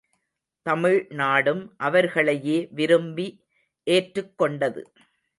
தமிழ் நாடும் அவர்களையே விரும்பி ஏற்றுக் கொண்டது.